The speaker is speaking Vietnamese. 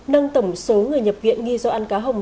nâng tổng số người nhập viện nghi do ăn cá hồng